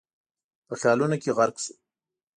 په خيالونو کې غرق شو.